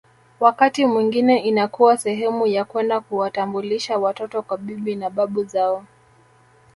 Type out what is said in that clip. Wakati mwingine inakuwa sehemu ya kwenda kuwatambulisha watoto kwa bibi na babu zao